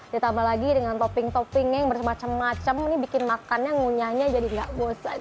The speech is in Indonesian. ditambah lagi dengan topping toppingnya yang bermacam macam ini bikin makannya ngunyahnya jadi nggak bosan